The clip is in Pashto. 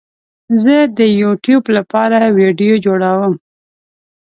زه د یوټیوب لپاره ویډیو جوړوم